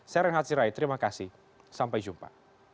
saya renhard sirai terima kasih sampai jumpa